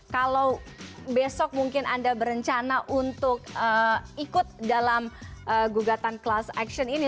kalau besok mungkin anda berencana untuk ikut dalam gugatan class action ini